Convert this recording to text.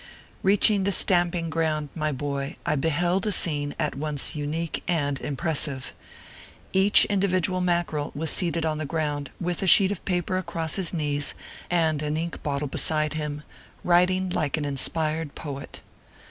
Reaching the stamping ground, my boy, I beheld a .scene at once unique and impressive. Each indi ORPHEUS C. KERR PAPERS. 307 vidual Mackerel was seated on the ground, with a sheet of paper across his knees and an ink bottle be side him, writing like an inspired poet.